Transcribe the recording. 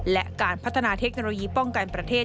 และการพัฒนาเทคโนโลยีป้องกันประเทศ